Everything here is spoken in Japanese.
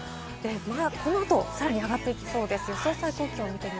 この後はさらに上がってきそうです。